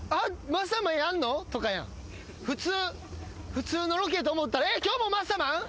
普通のロケと思ったら「えっ？今日もマッサマン？」